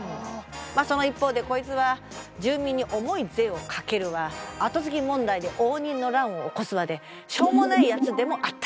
その一方でこいつは住民に重い税をかけるわ跡継ぎ問題で応仁の乱を起こすわでしょうもないやつでもあった。